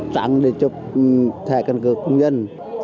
chẳng để chụp thẻ căn cứ công dân